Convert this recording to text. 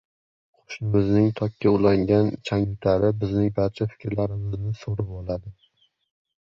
Qo‘shnimizning tokka ulangan changyutari bizning barcha fikrlarimizni so‘rib oladi.